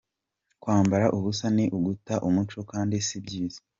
Kwambara ubusa ni uguta umuco kandi si byiza.